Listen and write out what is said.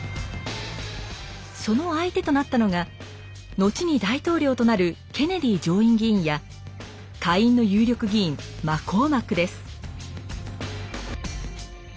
その相手となったのが後に大統領となるケネディ上院議員や下院の有力議員マコーマックです。